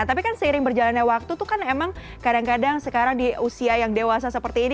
tapi kan seiring berjalannya waktu itu kan emang kadang kadang sekarang di usia yang dewasa seperti ini